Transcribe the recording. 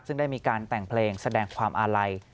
ซึ่งได้มีการแต่งเพลงแสดงความอาลัย